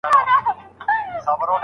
هغې دروغجنې مې په مټ کې دی ساتلی زړه